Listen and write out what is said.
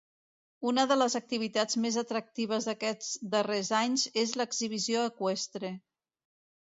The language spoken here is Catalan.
Una de les activitats més atractives d’aquests darrers anys és l’exhibició eqüestre.